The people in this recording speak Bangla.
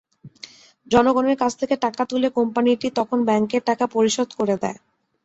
জনগণের কাছ থেকে টাকা তুলে কোম্পানিটি তখন ব্যাংকের টাকা পরিশোধ করে দেয়।